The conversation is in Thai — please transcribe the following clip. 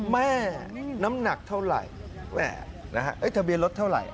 แม่น้ำหนักเท่าไหร่ทะเบียนรถเท่าไหร่